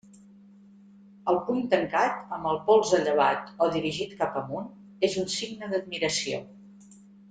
El puny tancat, amb el 'polze llevat', o dirigit cap amunt és un signe d'admiració.